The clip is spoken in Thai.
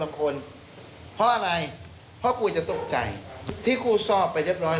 คนเพราะอะไรเพราะกูจะตกใจที่ครูสอบไปเรียบร้อย